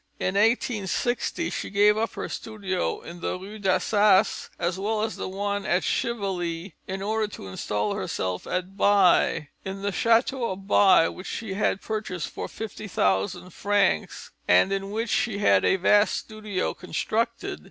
In 1860, she gave up her studio in the Rue d'Assas, as well as the one at Chevilly, in order to install herself at By, in the chateau of By which she had purchased for 50,000 francs and in which she had a vast studio constructed.